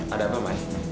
ada apa mai